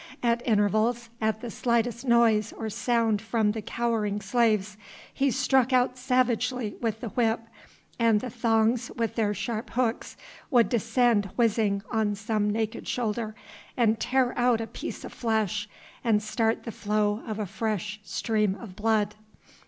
At intervals, at the slightest noise or sound from the cowering slaves, he struck out savagely with the whip, and the thongs with their sharp hooks would descend whizzing on some naked shoulder and tear out a piece of flesh and start the flow of a fresh stream of blood.